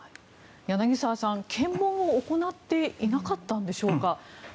柳澤さん、検問を行っていなかったのでしょうか。